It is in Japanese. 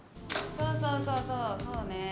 そうそうそうそうそうね